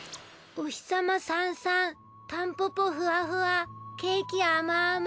「お日様さんさんタンポポふわふわケーキあまあま。